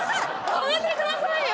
やめてくださいよ！